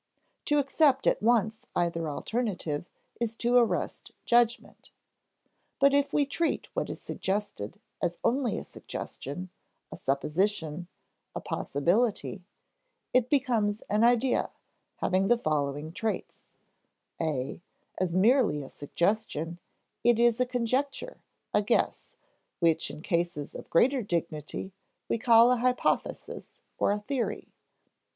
To accept at once either alternative is to arrest judgment. But if we treat what is suggested as only a suggestion, a supposition, a possibility, it becomes an idea, having the following traits: (a) As merely a suggestion, it is a conjecture, a guess, which in cases of greater dignity we call a hypothesis or a theory.